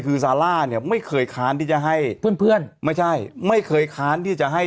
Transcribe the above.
คือซาร่าเนี่ยไม่เคยค้านที่จะให้เพื่อนเพื่อนไม่ใช่ไม่เคยค้านที่จะให้